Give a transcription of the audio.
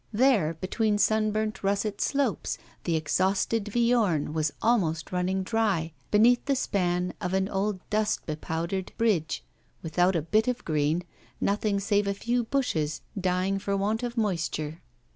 There, between sunburnt russet slopes, the exhausted Viorne was almost running dry beneath the span of an old dust bepowdered bridge, without a bit of green, nothing save a few bushes, dying for want of moisture.